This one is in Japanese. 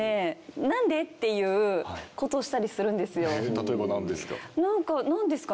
例えば何ですか？